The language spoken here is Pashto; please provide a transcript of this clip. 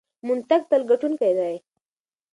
منطق تل ګټونکی دی.